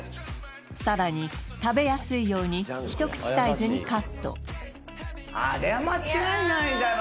さらに食べやすいようにひと口サイズにカットあれは間違いないだろ